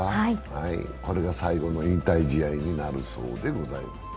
これが最後の引退試合になるそうです。